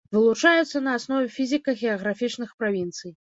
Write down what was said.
Вылучаюцца на аснове фізіка-геаграфічных правінцый.